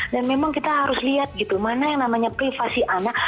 dan memang kita harus lihat gitu mana yang namanya privasi anak